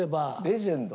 レジェンド？